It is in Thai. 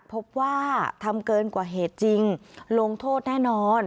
พบว่าทำเกินกว่าเหตุจริงลงโทษแน่นอน